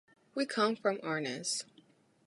We come from Arnes.